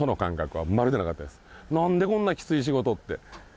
「なんでこんなきつい仕事」って。